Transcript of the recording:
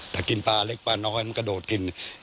แต่กินปลาเล็กปลาน้อยมันกระโดดกิน